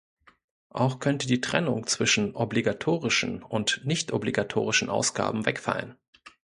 Auch könnte die Trennung zwischen obligatorischen und nichtobligatorischen Ausgaben wegfallen.